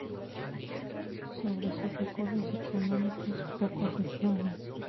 Sobre sus recursos económicos poco se sabe.